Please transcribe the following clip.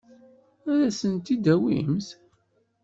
Ad asen-t-id-tawimt?